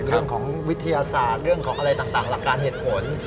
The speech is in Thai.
เรื่องของวิทยาศาสตร์เรื่องของอะไรต่างหลักการเห็นผล